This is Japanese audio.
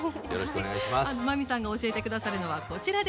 真海さんが教えて下さるのはこちらです。